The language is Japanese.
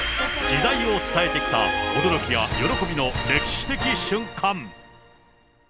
時代を伝えてきた驚きや喜びの歴史的瞬間。